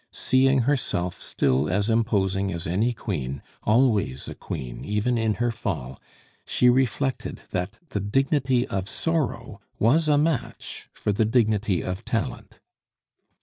Seeing herself still as imposing as any queen, always a queen even in her fall, she reflected that the dignity of sorrow was a match for the dignity of talent.